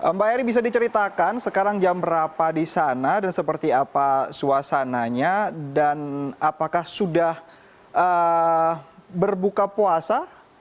mbak eri bisa diceritakan sekarang jam berapa di sana dan seperti apa suasananya dan apakah sudah berbuka puasa